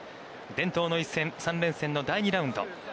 伝統の一戦、３連戦の第２ラウンド。